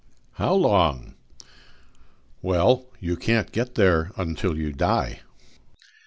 "How long?" "Well, you can't get there until you die."